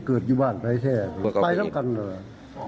เกิดไปจากกันเหรอ